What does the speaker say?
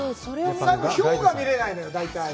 ヒョウは見られないのよ、大体。